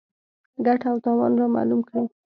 ګټه او تاوان رامعلوم کړي.